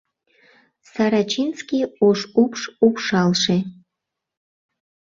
Сарачинский ош упш упшалше